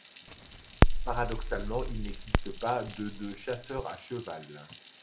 Paradoxalement il n'existe pas de de chasseurs à cheval.